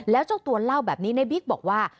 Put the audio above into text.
แล้วเจ้าตัวเล่าแบบนี้ในบิ๊กบอกว่า